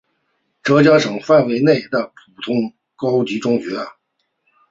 浙江省范围内的普通高级中学。